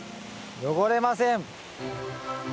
汚れません！